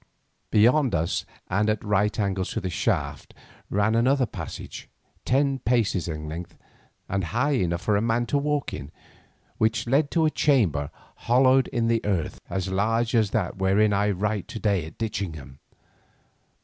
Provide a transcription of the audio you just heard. Beyond us and at right angles to the shaft ran another passage, ten paces in length and high enough for a man to walk in, which led to a chamber hollowed in the earth, as large as that wherein I write to day at Ditchingham.